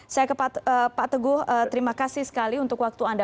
saya ke pak teguh terima kasih sekali untuk waktu anda